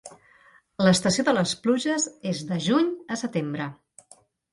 L'estació de les pluges és de juny a setembre.